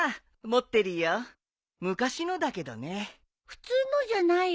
普通のじゃないよ。